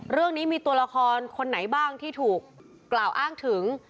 เรื่องนี้มีตัวละครคนไหนบ้างที่ถูกกล่าวอ้างถึง